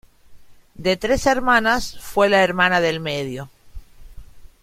De tres hermanas, fue la hermana del medio.